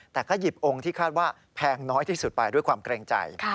แต่ก็หยิบองค์ที่คาดว่าแพงน้อยที่สุดไปด้วยความเกรงใจ